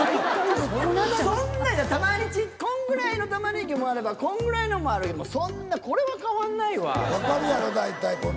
そんなじゃんたまにこんぐらいの玉ねぎもあればこんぐらいのもあるそんなこれは変わんないわ。